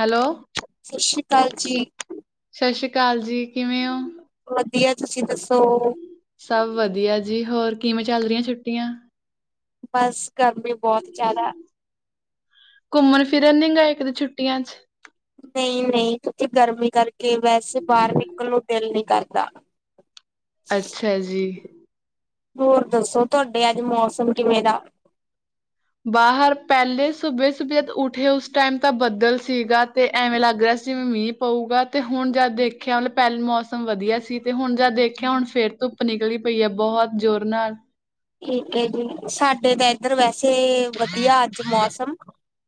Hello, ਸਤਿ ਸ੍ਰੀ ਅਕਾਲ ਜੀ। ਸਤਕਾਲ ਜੀ ਕਿਵੇਂ ਹੋ? ਵਧੀਆ, ਤੁਸੀਂ ਦੱਸੋ? ਸਭ ਵਧੀਆ। ਜੀ ਹੋਰ ਕਿਵੇਂ ਚੱਲ ਰਆਂ ਛੁੱਟੀਆਂ? ਬਸ। ਗਰਮੀ ਬਹੁਤ ਜ਼ਿਆਦਾ। ਘੁੰਮਣ ਫਿਰਨ ਨੀ ਗਏ ਕਦੀ ਛੁੱਟੀਆਂ 'ਚ ਨਹੀਂ-ਨਹੀਂ, ਤੁਸੀਂ ਗਰਮੀ ਕਰਕੇ ਵੈਸੇ ਬਾਹਰ ਨਿਕਲ ਨੂੰ ਦਿਲ ਨਹੀਂ ਕਰਦਾ। ਅੱਛਾ ਜੀ। ਹੋਰ ਦੱਸੋ, ਤੁਹਾਡੇ ਅੱਜ ਮੌਸਮ ਕਿਵੇਂ ਦਾ? ਬਾਹਰ ਪਹਿਲੇ ਸੁਬੇ-ਸੁਬੇ ਉੱਠੇ ਉਸ ਟਾਈਮ ਤਾਂ ਬੱਦਲ ਸੀਗਾ। ਤੇ ਐਵੇਂ ਲੱਗ ਰਿਹਾ ਸੀ, ਜਿਵੇਂ ਮੀਂਹ ਪਊਗਾ ਤੇ ਹੁਣ ਜਦ ਦੇਖਿਆ ਮਤਲਬ ਪਹਿਲ ਮੌਸਮ ਵਧੀਆ ਸੀ, ਤੇ ਹੁਣ ਜਦ ਦੇਖਿਆ ਹੁਣ ਫਿਰ ਧੁੱਪ ਨਿਕਲੀ ਪਈ ਹੈ ਬਹੁਤ ਜ਼ੋਰ ਨਾਲ ਠੀਕ ਜੀ ਸਾਡੇ ਤਾਂ ਏਧਰ ਵੈਸੇ ਤੇੇ ਵਧੀਆ ਅੱਜ ਮੌਸਮ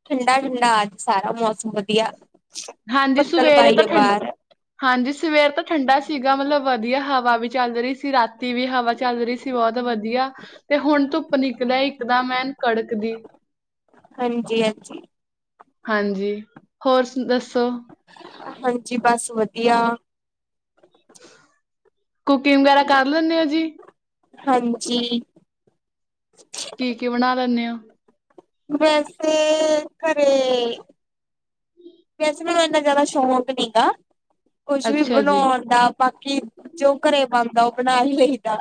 ਠੰਡਾ-ਠੰਡਾ ਅੱਜ ਸਾਰਾ ਮੌਸਮ ਵਧੀਆ ਹਾਂਜੀ, ਬੱਦਲ ਸਵੇਰੇ ਬਾਈ ਤਾਂ ਆ ਠੰ ਬਾਹਰ ਹਾਂਜੀ ਸਵੇਰ ਤਾਂ ਠੰਡਾ ਸੀਗਾ ਮਤਲਬ ਵਧੀਆ ਹਵਾ ਵੀ, ਚੱਲ ਰਹੀ ਸੀ ਰਾਤੀ ਵੀ ਹਵਾ ਚੱਲ ਰਹੀ ਸੀ ਬਹੁਤ ਵਧੀਆ ਤੇ ਹੁਣ ਧੁੱਪ ਨਿਕਲਿਆ ਇੱਕਦ ਮੈਂ ਕੜਕ ਦੀ ਹਾਂਜੀ-ਹਾਂਜੀ। ਹਾਂਜੀ, ਹੋਰ ਦੱਸੋ? ਹਾਂਜੀ, ਬਸ ਵਧੀਆ। ਕੁਕਿੰਗ ਵਗੈਰਾ ਕਰ ਲੈਂਦੇ ਆ ਜੀ। ਹਾਂਜੀ, ਕੀ ਕੀ ਬਣਾ ਲੈਂਦੇ ਔ। [unintelligible] ਵੈਸੇ ਘਰੇ ਵੈਸੇ ਮੈਨੂੰ ਇੰਨਾ ਜ਼ਿਆਦਾ ਸ਼ੌਂਕ ਨੀ ਗਾ ਕੁਛ ਵੀ ਅੱਛਾ ਜੀ ਬਣਾਣ ਦਾ ਬਾਕੀ ਜੋ ਘਰੇ ਬਣਦਾ ਉਹ ਆਪਣਾ ਹੀ ਲਈਦਾ।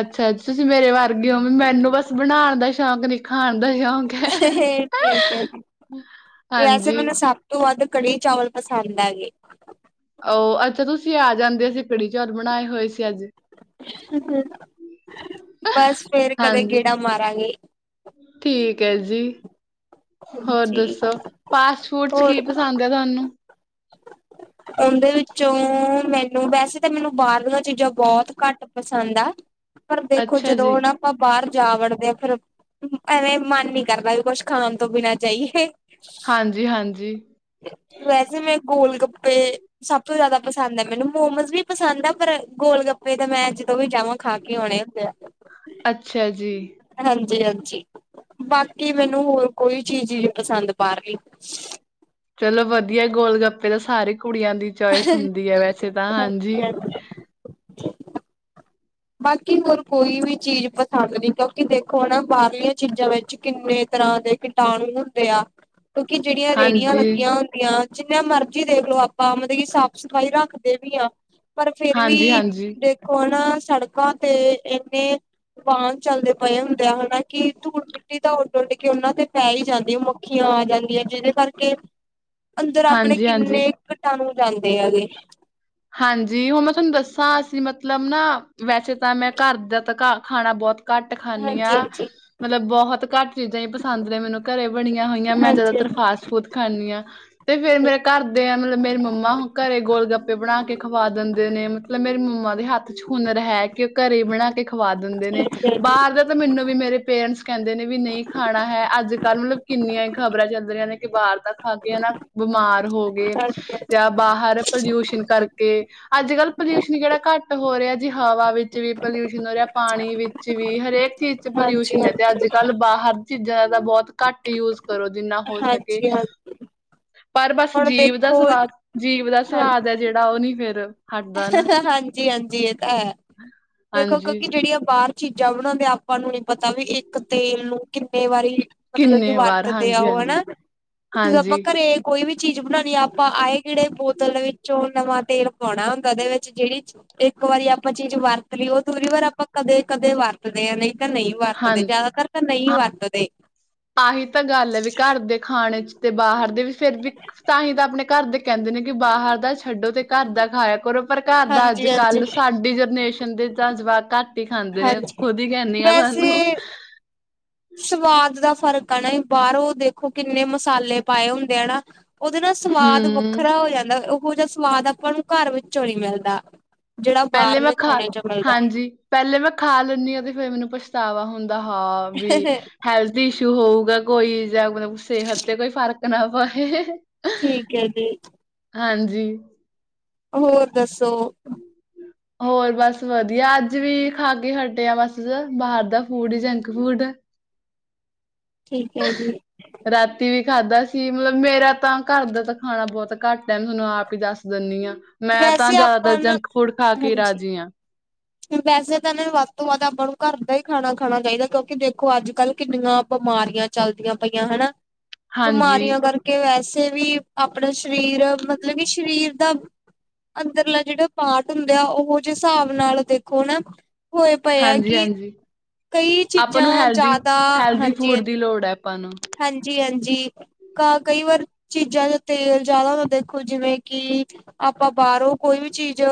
ਅੱਛਾ ਤੁਸੀਂ ਮੇਰੇ ਵਰਗੇ ਹੋ ਵੀ ਮੈਨੂੰ ਬਸ ਬਣਾਣ ਦਾ ਸ਼ਾਗ ਨ ਖਾਣ ਦਾ ਸ਼ੌਕ ਹੈ ਠੀਕ ਹੈ ਜੀ ਵੈਸੇ ਹਾਂਜੀ ਮੈਨੇ ਸਭ ਤੋਂ ਵੱਧ ਕੜੀ ਚਾਵਲ ਪਸੰਦ ਐ ਗੇ ਆਹ ਅੱਛਾ ਤੁਸੀਂ ਆ ਜਾਂਦੇ ਸੀ ਕੜੀ ਚੌਲ ਬਣਾਏ ਹੋਏ ਸੀ ਅੱ ਬਸ ਫੇਰ ਕਦੇ ਹਾਂਜੀ ਗੇੜਾ ਮਾਰਾਂਗੇ। ਠੀਕ ਹੈ ਜੀ, ਹੋਰ ਹਾਂਜੀ ਦੱਸੋ ਫਾਸਟ ਫੂਡਸ ਕੀ ਹੋਰ ਪਸੰਦ ਹੈ ਤੁਹਾਨੂੰ ਉਹਦੇ ਵਿੱਚੋਂ ਮੈਨੂੰ ਵੈਸੇ ਤਾਂ ਮੈਨੂੰ ਬਾਹਰ ਚੀਜ਼ਾਂ ਬਹੁਤ ਘੱਟ ਪਸੰਦ ਆ। ਪਰ ਦੇਖੋ ਅੱਛਾ ਜੀ, ਜਦੋਂ ਨਾ ਆਪਾਂ ਬਾਹਰ ਜਾ ਵੜਦੇ ਆ ਫੇਰ ਐਵੇਂ ਮਨ ਨੀ ਕਰਦਾ ਵੀ ਕੁਛ ਖਾਣ ਤੋਂ ਬਿਨਾਂ ਚਈਏ। ਹਾਂਜੀ-ਹਾਂਜੀ, ਵੈਸੇ ਮੈਂ ਗੋਲ ਗਪੇ ਪੇ ਸਭ ਤੋਂ ਜਿਆਦਾ ਪਸੰਦ ਹੈ ਮੈਨੂੰ ਮੋਮੋਸ ਵੀ ਪਸੰਦ ਆ ਪਰ ਗੋਲ ਗੱਪੇ ਤੇ ਮੈਂ ਜਦੋਂ ਵੀ ਜਾਵਾਂ ਖਾ ਕੇ ਆਣੇ ਹੁੰਦੇ ਆ। ਅੱਛਾ ਜੀ। ਹਾਂਜੀ ਹਾਂਜੀ ਬਾਕੀ ਮੈਨੂੰ ਹੋਰ ਕੋਈ ਚੀਜ਼ ਹੀ ਨਹੀਂ ਪਸੰਦ ਬਾਹਹੀ ਚਲੋ ਵਧੀਆ ਗੋਲ ਗੱਪਾ ਸਾਰਿਆ ਕੁੜੀਆਂ ਦੀ ਚੋਇਸ ਹੁੰਦੀ ਹੈ ਵੈਸੇ ਤਾਂ ਹਾਂਜੀ ਬਾਕੀ ਹੋਰ ਕੋਈ ਵੀ ਚੀਜ਼ ਪਸੰਦ ਨਹੀਂ ਕਿਉਂਕਿ ਦੇਖੋ ਹਨ ਨਾ ਬਾਹਰਲੀਆਂ ਚੀਜ਼ਾਂ ਵਿੱਚ ਕਿੰਨੇ ਤਰ੍ਹਾਂ ਦੇ ਕੀਟਾਣੂ ਹੁੰਦੇ ਆ ਕਿਉਂਕਿ ਜਿਹੜੀਆਂ ਰੇਹੜੀਆਂ ਹਾਂਜੀ, ਲੱਗੀਆਂ ਹੁੰਦੀਆਂ ਜਿੰਨਨਾ ਮਰਜ਼ੀ ਦੇਖਲੋ ਆਪਾਂ ਮਤਲਬ ਕਿ ਸਾਫ਼ ਸਫ਼ਾਈ ਰੱਖਦੇ ਵੀ ਹਾਂ ਪਰ ਫੇਰ ਵੀ ਹਾਂਜੀ-ਹਾਂਜੀ, ਦੇਖੋ ਨਾ [unintelligible] ਤੇ ਇੰਨੇ ਵਾਹਨ ਚੱਲਦੇ ਪਏ ਹੁੰਦੇ ਆ ਹਨਾ ਕਿ ਧੂਲ ਮਿੱਟੀ ਦਾ ਉੱਡ ਉੱਡ ਕੇ ਉਹਨਾਂ ਤੇ ਪੈ ਹੀ ਜਾਂਦੀ ਮੱਖੀਆਂ ਆ ਜਾਂਦੀਆਂ ਜਿਹਦੇ ਕਰਕੇ ਅੰਦਰ ਆਪਣੇ ਹਾਂਜੀ-ਹਾਂਜੀ। ਕਿੰਨੇ ਘਟਾਣੂ ਜਾਂਦੇ ਆਗੇ ਹਾਂਜੀ ਹੁਣ ਮੈਂ ਤੁਹਾਨੂੰ ਦੱਸਾਂ ਅਸੀਂ ਮਤਲਬ ਨਾ ਵੈਸੇ ਤਾਂ ਮੈਂ ਘਰ ਦਾ ਤਾਂ ਖਾਣਾ ਬਹੁਤ ਘੱਟ ਖਾਂਦੀ ਹਾਂਜੀ ਹਾਂ ਹਾਂਜੀ ਮਤਲਬ ਬਹੁਤ ਘੱਟ ਚੀਜ਼ਾਂ ਹੀ ਪਸੰਦ ਨੇ ਮੈਨੂੰ ਘਰੇ ਬਣੀਆਂ ਹੋਈਆਂ ਮੈਂ ਹਾਂਜੀ ਜਿਆਦਾਤਰ ਹਾਂਜੀ ਫਾਸਟ ਫੂਡ ਖਾਂਦੀ ਹਾਂ ਤੇ ਫੇਰ ਮੇਰੇ ਘਰਦੇ ਆ ਮਤਲਬ ਮੇਰੇ ਮੰਮਾ ਘਰੇ ਗੋਲ ਗੱਪ ਬਣਾ ਕੇ ਖਵਾ ਦਿੰਦੇ ਨੇ ਮਤਲਬ ਮੇਰੀ ਮੰਮਾ ਦੇ ਹੱਥ ਚ ਹੁਨਰ ਹੈ, ਕਿ ਉਹ ਘਰੇ ਬਣਾ ਕੇ ਖਵਾ ਦਿੰਦੇ ਨੇ ਠੀਕ ਹੈ ਬਾਹਰ ਦੇ ਤਾਂ, ਤੇ ਮੈਨੂੰ ਵੀ ਮੇਰੇ ਪੇਰੈਂਟਸ ਕਹਿੰਦੇ ਨੇ ਵੀ ਨਹੀਂ ਖਾਣਾ ਹੈ, ਅੱਜ ਮਤਲਬ ਕਿੰਨੀਆਂ ਹੀ ਖ਼ਬਰਾਂ ਚੱਲਦੀ ਰਇਆਂ ਨੇ ਕਿ ਬਾਹਰ ਤਾਂ ਖਾ ਕੇ ਨਾ ਬਿਮਾਰ ਹੋ ਗਏ ਜੀ ਜਾਂ ਬਾਹਰ ਪਲਊਸ਼ਣ ਕਰਕੇ ਅੱਜ ਕੱਲ ਪੋਲਊਸ਼ਨ ਕਿਹੜਾ ਘੱਟ ਹੋ ਰਿਹਾ ਜੀ ਹਵਾ ਵਿੱਚ ਵੀ ਪੋਲਊਸ਼ਨ ਹੋ ਰਿਹਾ ਪਾਣੀ ਵਿੱਚ ਵੀ ਹਰੇਕ ਚ ਹਾਂਜੀ ਪੋਲਊਸ਼ਨ ਹੈ, ਤੇ ਹਾਂਜੀ ਅੱਜ ਕੱਲ੍ਹ ਬਾਹਰ ਚੀਜ਼ਾਂ ਦਾ ਬਹੁਤ ਘੱਟ ਯੂਜ ਕਰੋ ਦਿਨ ਨਾ ਹੋ ਸਕੇ ਹਾਂਜੀ ਹਾਂਜੀ ਪਰ ਬਸ ਹੁਣ ਜੀਭ ਦਾ ਦੇਖੋ ਸਵਾਦ, ਜੀਭ ਦਾ ਹਾਂ ਸਵਾਦ ਹੈ ਜਿਹੜਾ ਆਓ ਨੀ ਫੇਰ ਹਟਦਾ ਨਾ ਜੀ ਹਾਂਜੀ ਹੈ ਦੇਖੋ ਹਾਂਜੀ ਕਿਉਂਕਿ ਜਿਹੜੀਆਂ ਬਾਹਰ ਚੀਜ਼ਾਂ ਬਣਾਉਂਦੇ ਆਪਾਂ ਨੂੰ ਨੀ ਪਤਾ ਵੀ ਇੱਕ ਤੇਲ ਨੂੰ ਕਿੰਨੇ ਵਾਰੀ ਮਤਲਬ ਕਿ ਕਿੰਨੇ ਵਾਰ ਵਰਤਦੇ ਹਾਂਜੀ ਔ ਹਾਂਜੀ ਹੈਨਾ, ਜੇ ਆਪਾਂ ਹਾਂਜੀ ਘਰੇ ਕੋਈ ਵੀ ਚੀਜ਼ ਬਣਾਉਣੀ ਆ ਆਪਾਂ ਆਏ ਕਿਹੜੇ ਬੋਤਲ ਵਿੱਚੋਂ ਨਵਾਂ ਤੇਲ ਪਾਉਣਾ ਕਦੇ ਵਿੱਚ ਜਿਹੜੀ ਇੱਕ ਵਾਰੀ ਆਪਾਂ ਚੀਜ਼ ਵਰਤ ਲਈ ਉਹ ਦੂਰੀ ਵਾਰ ਆਪਾਂ ਕਦੇ ਕਦੇ ਵਰਤਦੇ ਹਾਂ, ਨਹੀਂ ਤਾਂ ਨਹੀਂ ਵਰਤਦੇ, ਹਾਂ ਜਿਆਦਾਤਰ ਤਾਂ ਨਹੀਂ ਵਰਤਦੇ। ਆਹੀ ਤਾਂ ਗੱਲ ਐ, ਵੀ ਘਰ ਦੇ ਖਾਣੇ ਤੇ ਬਾਹਰ ਵੀ ਫੇਰ ਵੀ ਤਾਂ ਹੀ ਤਾਂ ਆਪਣੇ ਘਰ ਦੇ ਕਹਿੰਦੇ ਨੇ ਕਿ ਬਾਹਰ ਦਾ ਛੱਡੋ ਤੇ ਘਰ ਦਾ ਖਾਇਆ ਕਰੋ, ਪਰ ਘਰ ਦਾ ਅੱਜ ਹਾਂਜੀ ਹਾਂਜੀ ਕੱਲ੍ਹ ਸਾਡੀ ਜਨਰੇਸ਼ਨ ਬੰਦੇ ਤਾ ਜਵਾਕਾਂ ਰੋਟੀ ਖਾਂਦੇ ਨੇ, ਹਾਂਜੀ ਖੁਦ ਹੀ ਕਹਿੰਨੀ ਆ ਤੁਹਾਨੂੰ। ਵੈਸੇ ਸਵਾਦ ਦਾ ਫ਼ਰਕ ਆ ਨਾ, ਬਾਹਰੋਂ ਦੇਖੋ ਕਿੰਨੇ ਮਸਾਲੇ ਪਾਏ ਹੁੰਦੇ ਆ ਨਾ ਉਹਦੇ ਨਾਲ ਸਮਾਦ ਹਮ ਵੱਖਰਾ ਹੋ ਜਾਂਦਾ। ਇਹੋ ਜਿਹਾ ਸਵਾਦ ਆਪਾਂ ਨੂੰ ਘਰ ਵਿੱਚੋਂ ਨਹੀਂ ਮਿਲਦਾ। ਜਿਹੜਾ ਪਹਿਲੇ ਮੈਂ ਬਾਹਰਲੇ ਖਾ ਖਾਣੇ ਚ ਮਿਲਦਾ ਹਾਂਜੀ ਪਹਿਲੇ ਮੈਂ ਖਾ ਲੈਂਦੀ ਹਾਂ ਤੇ ਫੇਰ ਮੈਨੂੰ ਪੁੱਛ ਪਛਤਾਵਾ ਹੁੰਦਾ। ਹਾਂ ਵੀ ਹੈਲਥ ਈਸ਼ ਹੋਊਗਾ ਕੋਈ ਜਾਂ ਮਤਲਬ ਸਿਹਤ ਤੇ ਕੋਈ ਫਰਕ ਨਾ ਪਾਹੈ ਠੀਕ ਹੈ ਜੀ। ਹਾਂਜੀ। ਹੋਰ ਦੱਸੋ। ਹੋਰ ਬਸ ਵਧੀਆ ਅੱਜ ਵੀ ਖਾ ਕੇ ਹਟੇ ਆਂ ਬਸ ਬਾਹਰ ਦਾ ਫੂਡ ਜੰਕ ਫੂਡ ਠੀਕ ਹੈ ਜੀ। ਰਾਤੀ ਵੀ ਖਾਧਾ ਸੀ। ਮਤਲਬ ਮੇਰਾ ਤਾਂ ਘਰ ਦਾ ਤਾਂ ਖਾਣਾ ਬਹੁਤ ਘੱਟ ਐ, ਮੈਂ ਤੁਹਾਨੂੰ ਆਪ ਹੀ ਦੱਸ ਦਿੰਣੀ ਆਂ। ਮੈਂ ਤਾਂ ਵੈਸੇ ਜ਼ਿਆਦਾਤਰ ਆਪਾਂ ਨਾ ਜੰਕ ਫੂਡ ਖਾ ਕੇ ਹਾਂਜੀ ਰਾਜੀ ਆਂ। ਵੈਸੇ ਤਾਂ ਇਹਨਾਂ ਨੂੰ ਵੱਧ ਤੋਂ ਵੱਧ ਆਪਾਂ ਨੂੰ ਘਰ ਦਾ ਹੀ ਖਾਣਾ ਖਾਣਾ ਚਾਈਦਾ ਕਿਉਂਕਿ ਦੇਖੋ ਅੱਜ-ਕੱਲ ਕਿੰਨੀਆਂ ਬਿਮਾਰੀਆਂ ਚੱਲਦੀਆਂ ਪਈਆਂ ਹਨਾਂ। ਹਾਂਜੀ। ਬਿਮਾਰੀਆਂ ਕਰਕੇ ਵੈਸੇ ਵੇਸੈ ਵੀ ਆਪਣਾ ਸਰੀਰ ਮਤਲਬ ਕਿ ਸਰੀਰ ਦਾ ਅੰਦਰਲਾ ਜਿਹੜਾ ਪਾਰਟ ਹੁੰਦਾ ਉਹੋ ਜਿਹੇ ਹਿਸਾਬ ਨਾਲ ਦੇਖੋ ਨਾਂ ਹੋਏ ਪਏ ਆ ਹਾਂਜੀ ਕਿ ਹਾਂਜੀ ਕਈ ਆਪਾਂ ਨੂੰ ਚੀਜ਼ਾਂ ਹੈਲਦੀ ਜ਼ਿਆਦਾ ਹੈਲਦੀ ਹਾਂਜੀ, ਫੂਡ ਦੀ ਹਾਂਜੀ। ਲੋੜ ਹੈ ਆਪਾਂ ਨੂੰ ਹਾਂਜੀ ਹਾਂਜੀ ਕ ਕਈ ਵਾਰ ਚੀਜ਼ਾਂ ਦਾ ਤੇਲ ਜ਼ਿਆਦਾ ਹੁੰਦਾ ਦੇਖੋ ਜਿਵੇਂ ਕਿ ਆਪਾਂ ਬਾਹਰੋਂ ਕੋਈ ਵੀ ਚੀਜ਼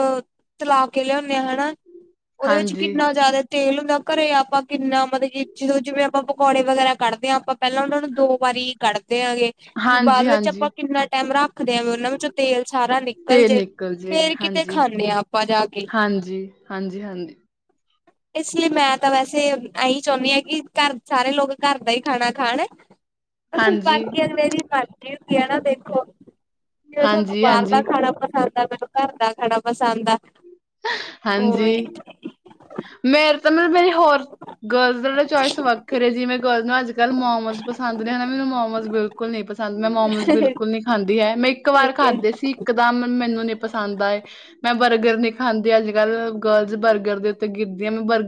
ਤਲਾ ਕੇ ਲਿਆਉਂਣੇ ਆਂ ਹਨਾਂ। ਉਹਦੇ ਵਿੱਚ ਹਾਂਜੀ ਕਿੰਨਾ ਜਿਆਦਾ ਤੇਲ ਹੁੰਦ ਘਰੇ ਆਪਾਂ ਕਿੰਨਾ ਮਤਲਬ ਜਦੋਂ ਜਿਵੇਂ ਆਪਾਂ ਪਕੌੜੇ ਵਗੈਰਾ ਕੱਢਦੇ ਹਾਂ ਆਪਾਂ ਪਹਿਲਾਂ ਉਹਨਾਂ ਨੂੰ ਦੋ ਵਾਰੀ ਗੜ ਦੇ ਆਗੇ ਵੀ ਬਾਅਦ ਹਾਂਜੀ ਵਿੱਚ ਆਪਾਂ ਹਾਂਜੀ ਕਿੰਨਾ ਟੈਮ ਰੱਖ ਰੱਖਦੇ ਆਂ ਵੀਂ ਉਹਨਾਂ ਵਿੱਚੋਂ ਤੇਲ ਸਾਰਾ ਨਿਕਲ ਤੇਲ ਜੇ ਨਿਕਲ ਜੇ ਫੇਰ ਕਿਤੇ ਹਾਂਜੀ ਖਾਂਣੇ ਆਂ ਆਪਾਂ ਜਾ ਕੇ। ਹਾਂਜੀ ਹਾਂਜੀ ਹਾਂਜੀ ਇਸ ਲਈ ਮੈਂ ਤਾਂ ਵੈਸੇ ਇਹੀ ਚਾਹੁੰਣੀ ਆਂ ਕਿ ਘਰ ਸਾਰੇ ਲੋਕ ਘਰ ਦਾ ਹੀ ਖਾਣਾ ਖਾਣ। ਬਾਕੀਆਂ ਹਾਂਜੀ ਦੀ [unintelligible] ਕਿਉਂਕਿ ਐ ਨਾਂ ਦੇਖੋ ਜ ਤੁਹਾਨੂੰ ਹਾਂਜੀ ਬਾਹਰ ਦਾ ਹਾਂਜੀ ਖਾਣਾ ਪਸੰਦ ਮੈਨੂੰ ਘਰਦਾ ਖਣਾ ਪਸੰਦ ਆ। [unintelligible] ਹਾਂਜੀ ਉਵੇਂ ਮੈਂ ਮਤਲਬ ਮੇਰੀ ਹੋਰ ਗਰਲਜ਼ ਦਾ ਜਿਹੜਾ ਚੋਇਸ ਵੱਖਰੇ ਜਿਵੇਂ ਗਰਲਜ਼ ਨੂੰ ਅੱਜ-ਕੱਲ੍ਹ ਮੋਮੋਜ਼ ਪਸੰਦ ਨੇਂ ਮੈਨੂੰ ਮੋਮੋਸ ਬਿਲਕੁਲ ਨੀਂ ਪਸੰਦ ਮੈਂ ਮੋਮੋਸ ਠੀਕ ਬਿਲਕੁਲ ਨੀਂ ਖਾਂਦੀ ਹੈ ਮੈਂ ਇੱਕ ਵਾਰ ਹੈ ਖਾਧੇ ਸੀ ਇੱਕਦਮ ਮੈਨੂੰ ਨੀਂ ਪਸੰਦ ਆਏ ਮੈਂ ਬਰਗਰ ਨੀਂ ਖਾਂਦੇ ਅੱਜ-ਕੱਲ ਗਰਲਜ਼ ਬਰਗਰ ਦੇ ਉੱਤੇ ਗਿੱ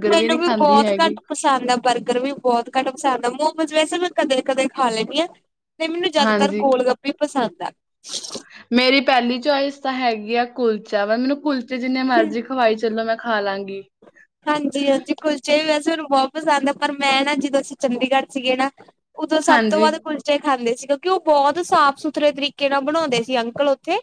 ਮੈਨੂੰ ਵੀ ਬਹੁਤ ਘੱਟ ਪਸੰਦ ਆ ਬਰਗਰ ਵੀ ਬਹੁਤ ਘੱਟ ਪਸੰਦ ਆ ਮ ਵੈਸੇ ਮੈਂ ਕਦੇ, -ਕਦੇ ਖਾ ਲੈਂਣੀ ਆਂ। ਤੇ ਮੈਨੂੰ ਜਿਆਦਾਤਰ ਹਾਂਜੀ ਗੋਲ ਗੱਪੇ ਪਸੰਦ। [unintelligible] ਮੇਰੀ ਪਹਿਲੀ ਚੁਆਇਸ। ਤਾਂ ਹੈਗੀ ਆ ਕੁਲਚਾ ਵ ਮੈਨੂੰ ਕੁਲਚ ਤੇ ਜਿੰਨੇ ਮਰਜ਼ੀ ਖਵਾਈ ਚਲੋ ਮੈਂ ਖਾ ਲਾਂਗੀ। ਬਹੁਪਸ ਆਉਦ ਆ ਪਰ ਮੈਂ ਨਾ ਜਦੋਂ ਅਸੀਂ ਚੰਡੀਗੜ੍ਹ ਸੀਗੇ ਨਾ ਉਦੋਂ ਸਭ ਤੋਂ ਹਾਂਜੀ ਵਧ ਕੁਲਚੇ ਖਾਂਦੇ ਸੀ। ਕਿਉਂਕਿ ਉਹ ਬਹੁਤ ਸਾਫ਼ ਸੁਥਰੇ ਤਰੀਕੇ ਨਾਲ ਬਣਾਉਂਦੇ ਸੀ ਅੰਕਲ। ਥੇ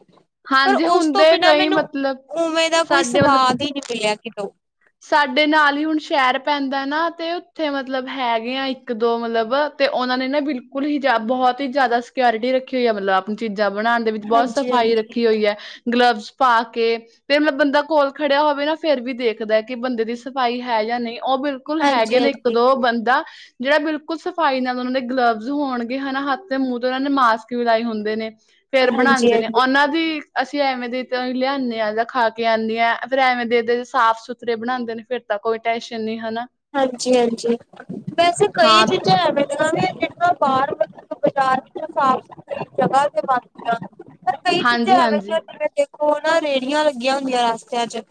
ਪਰ ਹਾਂਜੀ ਉਸ ਤੋਂ ਹੁੰਦੇ ਬਿਨਾਂ ਕਈ ਮੈਨੂੰ ਮਤਲਬ ਉਵੇਂ ਦਾ ਕੋਈ ਸਾਡੇ ਮਤਲਬ ਸਵਾਦ ਹੀ ਨਹੀਂ ਮਿਲਿਆ। [unintelligible] ਸਾਡੇ ਨਾਲ ਹੀ ਹੁਣ ਸ਼ਹਿਰ ਪੈਂਦਾ ਨਾ ਤੇ ਉੱਥੇ ਮਤਲਬ ਹੈਗੇ ਆ ਇੱਕ ਦੋ ਮਤਲਬ ਤੇ ਉਹਨਾ ਨੇ ਨਾ ਬਿਲਕੁਲ ਹੀ ਬਹੁਤ ਹੀ ਜ਼ਿਆਦਾ ਸਿਓਰਿਟੀ ਰੱਖੀ ਹੋਈ ਆ ਮਤਲਬ ਆਪਣੀ ਚੀਜ਼ਾਂ ਬਣਾਉਣ ਦੇ ਵਿੱਚ ਬਹੁਤ ਸਫ਼ਾਈ ਹਾਂਜੀ-ਹਾਂਜੀ। ਰੱਖੀ ਹੋਈ ਹੈ ਗਲਵਸ ਪਾ ਕੇ ਫ ਮਤਲਬ ਬੰਦਾ ਕੋਲ ਖੜਿਆ ਹੋਵੇ ਨਾ ਫੇਰ ਵੀ ਦੇਖਦਾ। ਕਿ ਬੰਦੇ ਦੀ ਸਫਾਈ ਹੈ ਜਾਂ ਨਹੀਂ। ਉਹ ਬਿਲਕੁਲ ਹੈਗੇ ਨੇ ਇੱਕ ਹਾਂਜੀ-ਹਾਂਜੀ, ਦੋ ਬੰਦਾ ਜਿਹੜਾ ਬਿਲਕੁਲ ਸਫ਼ਾਈ ਨਾਲ ਉਹਨਾਂ ਦੇ ਗਲਬਜ਼ ਹੋਣਗੇ ਹਨਾ ਹੱਥ ਦੇ ਮੂੰਹ ਤੇ ਉਹਨਾਂ ਨੇ ਮਾਸਕ ਵੀ ਲਏ ਹੁੰਦੇ ਨੇ। ਫੇਰ ਬਣਾਉਂਦੇ ਨੇ ਹਾਂਜੀ-ਹਾਂਜੀ, ਉਹਨਾਂ ਦੀ ਅਸੀਂ ਐਵੇਂ ਦੇ ਤੋਂ ਹੀ ਲਿਆਦੇ ਹਾਂ ਜਾਂ ਖਾ ਕੇ ਆਉਂਦੇ ਹਾਂ ਫੇਰ ਐਵੇਂ ਦੇਦੇ ਸਾਫ਼ ਸੁ ਘਰੇ ਬਣਾਉਦੇ ਨੇ ਫਿਰ ਤਾਂ ਕੋਈ ਟੈਨਸ਼ਨ ਨੀ ਹਾਂਜੀ ਹਾਂਜੀ ਵੈਸੇ ਕਈ ਹਾਂ ਚੀਜ਼ਾਂ ਐਵੇਂ ਜਿ ਬਾਹਰ ਬਾਜ਼ਾਰ ਚ ਸਾਫ਼ ਸੁਥਰੀ ਜਗਾ ਤੇ ਬਦੀਆਂ ਹਨ ਕਈ ਚ ਹਾਂਜੀ ਹਾਂਜੀ ਹੈ ਉਹ ਨਾ ਰੇਹੜੀਆਂ ਲੱਗੀਆਂ ਹੁੰਦੀਆਂ ਰਸਤਿਆਂ ਚ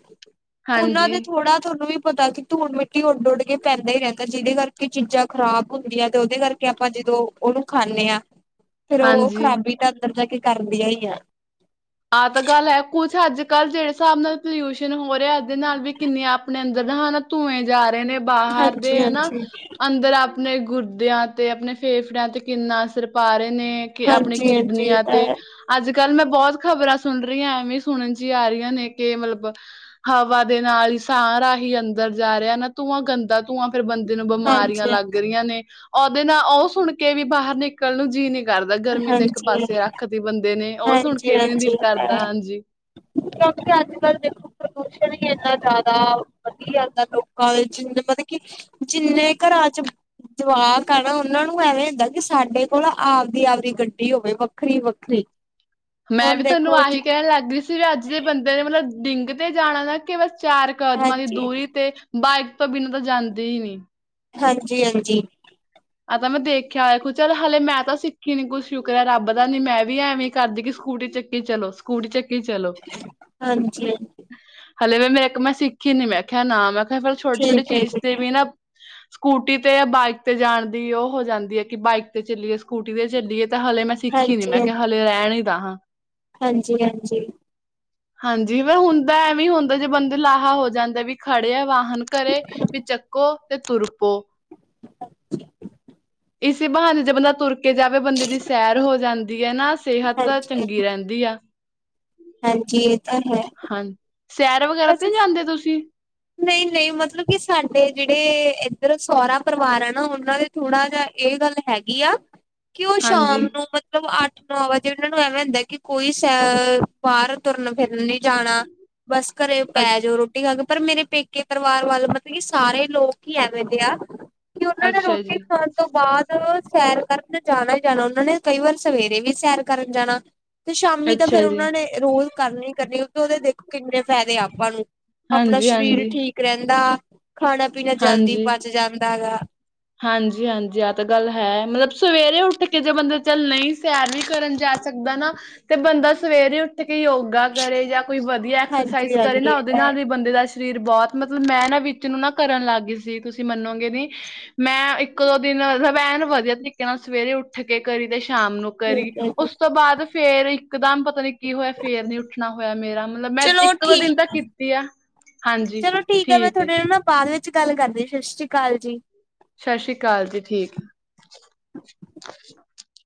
ਉਹਨਾਂ ਹਾਂਜੀ ਦੇ ਥੋੜਾ ਤੁਹਾਨੂੰ ਵੀ ਪਤਾ ਸੀ [unintelligible] ਮਿਟੀ ਉੱਡ ਉੱਡ ਕੇ ਪੈਂਦਾ ਹੀ ਰਹਿੰਦਾ ਜਿਹਦੇ ਕਰਕੇ ਚੀਜ਼ਾਂ ਖਰਾਬ ਹੁੰਦੀਆਂ ਤੇ ਉਹਦੇ ਕਰਕੇ ਆਪਾਂ ਜਦੋਂ ਉਹਨੂੰ ਖਾਂਦੇ ਹਾਂ ਫੇਿਰ ਉਹ ਹਾਂਜੀ ਖਰਾਬੀ ਤਾਂ ਅੰਦਰ ਜਾ ਕੇ ਕਰਦੀਆਂ ਹੀ ਆ ਆਹ ਤਾਂ ਗੱਲ ਹੈ ਕੁੱਛ ਅੱਜ ਕੱਲ੍ਹ ਜਿਹੜੇ ਹਿਸਾਬ ਨਾਲ ਪੋਲਿਊਸ਼ਨ ਹੋ ਰਿਹਾ ਦੇ ਨਾਲ ਵੀ ਕਿੰਨੀਆਂ ਆਪਣੇ ਅੰਦਰ ਜਦਾਂ ਹਨਾ ਧੂੰਏਂ ਜਾ ਰਹੇ ਨੇ ਬਾਹਰ ਦੇ ਹਾਂਜੀ ਹਨ ਨਾ ਹਾਂਜੀ ਅੰਦਰ ਆਪ ਆਪਣੇ ਗੁਰਦਿਆਂ ਤੇ ਆਪਣੇ ਫੇਫੜਿਆਂ ਤੇ ਕਿੰਨਾ ਅਸਰ ਪਾ ਰਹੇ ਨੇ ਕਿ ਆਪਣੀ ਹਾਂਜੀ ਹਾਂਜੀ ਇਹ ਕਿਡਨੀਆਂ ਤਾਂ ਤੇ ਹੈ ਅੱਜ ਕੱਲ ਮੈਂ ਬਹੁਤ ਖ਼ਬਰਾਂ ਸੁਣ ਰਹੀਆਂ ਐਵੇਂ ਸੁਣਨ ਚ ਆ ਰਹੀਆਂ ਨੇ ਕਿ ਮਤਲਬ ਹਵਾ ਦੇ ਨਾਲ ਹੀ ਸਾਰਾ ਹੀ ਅੰਦਰ ਜਾ ਰਿਹਾ ਨਾ ਧੂੰਆਂ ਗੰਦਾ ਧੂੰਆਂ। ਫਿਰ ਬੰਦੇ ਨੂੰ ਬਿਮਾਰੀਆਂ ਹਾਂਜੀ ਲੱਗ ਰਹੀਆਂ ਨੇ, ਉਹਦੇ ਨਾਲ ਉਹ ਸੁਣ ਕੇ ਵੀ ਬਾਹਰ ਨਿਕਲ ਨੂੰ ਜੀ ਨੀ, ਕਰਦਾ ਗਰਮੀ ਤੇ ਇੱਕ ਪਾਸੇ ਰੱਖ ਦੀ ਬੰਦੇ ਨੇ ਉਹ ਸੁਣ, ਜੀ ਕੇ ਵੀ ਨੀ ਦਿਲ ਹਾਂਜੀ, ਕਰਦਾ ਹਾਂਜੀ। ਕਿਉਂ ਅਜ ਕੱਲ ਦੇਖੋ। ਪ੍ਰਦੂਸ਼ਣ ਹੀ ਇੰਨਾ ਜ਼ਿਆਦਾ ਵਧੀ ਜਾਂਦਾ ਲੋਕਾਂ ਜਿੰਨ ਮਤਲਬ ਕਿ ਜਿੰਨੇ ਘਰਾਂ ਚ ਜਵਾਕ ਆ ਨਾ ਉਹਨਾਂ ਨੂੰ ਐਵੇਂ ਹੁੰਦਾ ਕਿ ਸਾਡੇ ਕੋਲ ਆਪ ਦੀ ਆਪਦੀ ਗੱਡੀ ਹੋਵੇ ਵੱਖਰੀ-ਵੱਖਰੀ, ਮੈਂ ਵੀ ਤੁਹਾਨੂੰ ਆਹੀ ਕਹਿਣ ਲੱਗ ਗਹੀ ਸੀ ਵੀ ਅੱਜ ਦੇ ਬੰਦੇ ਨੇ ਮਤਲਬ ਡਿੰਗ ਤੇ ਜਾਣਾ ਨਾ ਕਿ ਬਸ, ਚਾਰ ਕਦਮਾਂ ਦੀ ਹਾਂਜੀ, ਦੂਰੀ ਤੇ, ਬਾਈਕ ਤੋਂ ਬਿਨਾਂ ਤਾਂ ਜਾਂਦੇ ਹੀ ਨੀ, ਹਾਂਜੀ-ਹਾਂਜੀ, ਆਹ ਤਾਂ ਮੈਂ ਦੇਖਿਆ ਹੋਇਆ ਚੱਲ ਹਲੇ ਮੈਂ ਤਾਂ ਸਿੱਖੀ ਨੀ ਕੁਝ ਸ਼ੁਕਰਿਆ ਰੱਬ ਦਾ ਨੀ ਮੈਂ ਵੀ ਐਵੇਂ ਕਰਦੀ ਕਿ ਸਕੂਟੀ ਚੱਕੀ ਚਲੋ ਸਕੂਟੀ ਚੱਕੀ, ਚਲੋ। ਹਾਂਜੀ, ਹਲੇ ਵੀ ਮੇਰੇ ਇੱਕ ਮੈਂ ਸਿੱਖੀ ਨੀ ਮੈਂ ਕਿਹਿਆ ਨਾ ਮੈਂ, ਕ ਫਿਰ ਛੋਟੀ-ਛੋਟੀ ਠੀਕ ਹੈ ਚੀਜ਼ ਜੀ। ਤੇ ਵੀ ਨਾ, ਸਕੂਟੀ ਤੇ ਜਾਂ ਬਾਈਕ ਤੇ ਜਾਣ, ਦੀ ਉਹ ਹੋ ਜਾਂਦੀ ਹੈ ਕਿ ਬਾਈਕ ਤੇ ਚੱਲੀਏ ਸਕੂਟੀ ਤੇ ਚੱਲੀਏ। ਤਾਂ ਹਲੇ ਮੈਂ ਸਿੱਖੀ ਨੀ ਮੈਂ ਕਿਹਾ ਹਲੇ ਰਹਿਣ ਹੀ ਹਾਂ, ਹਾਂਜੀ-ਹਾਂਜੀ, ਹਾਂਜੀ ਵਹਿ ਹੁੰਦਾ ਐਵੇਂ ਹੁੰਦਾ ਜੇ ਬੰਦੇ ਲਾਹਾ ਹੋ ਜਾਂਦੇ ਵੀ ਖੜੇ ਆ ਵਾਹਨ ਘਰੇ ਵੀ ਚੱਕੋ ਤੇ ਤੁਰਪੋ ਇਸੇ ਬਹਾਨੇ ਜੇ ਬੰਦਾ ਤੁਰ ਕੇ ਜਾਵੇ ਬੰਦੇ ਦੀ ਸੈਰ ਹੋ ਜਾਂਦੀ। ਹੈ ਨਾ ਸਿਹਤ ਹਾਂਜੀ, ਚੰਗੀ ਰਹਿੰਦੀ ਆ। ਹਾਂਜੀ ਇਹ ਤਾਂ ਹੈ, ਹਾਂ ਸੈਰ ਵਗੈਰਾ ਤੇ ਨਹੀਂ ਜਾਂਦੇ ਤੁਸੀਂ? ਨਹੀਂ-ਨਹੀਂ ਮਤਲਬ ਕਿ ਸਾਡੇ ਜਿਹੜੇ ਇੱਧਰ ਸਹੋਰਾ ਪਰਿਵਾਰ ਆ ਨਾ ਉਹਨਾਂ ਦੇ ਥੋੜ੍ਹਾ ਜਿਹਾ ਇਹ ਗੱਲ ਹੈਗੀ ਆ। ਕਿ ਉਹ ਸ਼ਾਮ ਹਾਂਜੀ ਨੂੰ ਮਤਲਬ ਅੱਠ ਨੋ ਵਜੇ ਐਵੈ ਹੁੰਦਾ ਕੀ ਉਹਨਾਂ ਨੂੰ ਐਵੇਂ ਹੁੰਦਾ ਕਿ ਕੋਈ ਸ ਬਾਹਰ ਤੁਰਨ ਫਿਰ ਨੀ ਜਾਣਾ ਬਸ ਘਰੇ ਪੈ ਜਾਓ ਰੋਟੀ ਖਾ ਕੇ, ਪਰ ਮੇਰੇ ਪੇਕੇ ਪਰਿਵਾਰ ਵੱਲ ਮਤਲਬ ਕੀ ਸਾਰੇ ਲੋਕ ਹੀ ਐਵੇਂ ਦੇ ਆ। ਕਿ ਉਹਨਾਂ ਨੇ ਅੱਛਾ ਰੋਟੀ ਜੀ, ਖਾਣ ਤੋਂ ਬਾਅਦ ਸੈਰ ਕਰਨ ਜਾਣਾ ਹੀ ਜਾਣਾ ਉਹਨਾਂ ਨੇ ਕਈ ਵਾਰ ਸਵੇਰੇ ਵੀ ਸੈਰ ਕਰਨ ਜਾਣਾ। ਤੇ ਸ਼ਾਮੀ ਤਾਂ ਫੇਰ ਅੱਛਾ ਜੀ ਉਹਨਾਂ ਨੇ ਰੋਜ਼ ਕਰਨੀ, ਕਰਨੀ ਕਿਉਂਕਿ ਉਹਦੇ ਦੇਖੋ ਕਿੰਨੇ ਫੈਦੇ ਆਪਾਂ ਨੂੰ ਹਾਂਜੀ, ਹਾਂਜੀ। ਰੇਹਦਾ, ਹਾਂਜੀ, ਹਾਂਜੀ, ਹਾਂਜੀ, ਆਹ ਤਾਂ ਗੱਲ ਹੈ। ਮਤਲਬ ਸਵੇਰੇ ਉੱਠ ਕੇ ਕਿ ਜੇ ਬੰਦਾ ਚੱਲ ਨਹੀਂ ਸੈਰ ਵੀ ਕਰਨ ਜਾ ਸਕਦਾ ਨਾ, ਤੇ ਬੰਦਾ ਸਵੇਰੇ ਉੱਠੇ ਕਿ ਯੋਗਾ ਕਰੇ, ਜਾਂ ਕੋਈ ਵਧੀਆ ਐਕਸਰਸਾਈਜ਼ ਹਾਂਜੀ ਕਰੇ। ਹਾਂਜੀ ਨਾ ਇਹ ਉਹਦੇ ਤਾਂ ਹੈ ਨਾਲ ਵੀ ਬੰਦੇ ਦਾ ਸਰੀਰ ਬੋਤ ਮਤਲਬ ਮੈਂ ਨਾ ਵਿੱਚ ਨੂੰ ਨਾ ਕਰਨ ਲੱਗ ਗਈ ਸੀ। ਤੁਸੀਂ ਮੰਨੋਗੇ ਨੀ, ਮੈਂ ਇੱਕ ਦੋ ਦਿਨ ਐਨ ਵਧੀਆ ਤਰੀਕੇ ਨਾਲ ਸਵੇਰੇ ਉੱਠ ਕੇ ਕਰੀ ਤੇ ਸ਼ਾਮ ਨੂੰ ਕਰੀ। ਠੀਕ ਹੈ ਜੀ ਉਸ ਤੋਂ ਬਾਅਦ ਫੇਰ ਇਕਦਮ ਪਤਾ ਨੀ ਕੀ ਹੋਇਆ। ਫੇਰ ਨੀ ਉੱਠਣਾ ਹੋਇਆ। ਮੇਰਾ ਮਤਲਬ, ਮੈਂ ਚਲੋ ਇੱਕ ਦੋ ਠੀਕ ਦਿਨ ਤਾ ਕੀਤੀ ਆ। ਹਾਂਜੀ। ਚਲੋ ਮੈਂ ਠੀਕ ਹੈ। ਤੁਹਾਡੇ ਨਾਲ ਨਾ ਬਾਅਦ ਵਿੱਚ ਗੱਲ ਕਰਦੇ ਆ। ਸਤਿ ਸ਼੍ਰੀ ਅਕਾਲ ਜੀ। ਸਾਸੀ ਕਾਲ ਜੀ ਠੀਕ ਆ। [unintelligible]